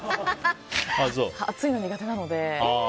暑いの苦手なので。